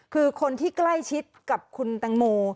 คือคนที่ใกล้ชิดกับคุณแตงโม